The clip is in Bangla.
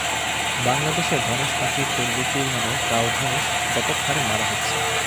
বাংলাদেশে ধনেশ পাখির তেল বিক্রির নামে কাও ধনেশ ব্যাপক হারে মারা হচ্ছে।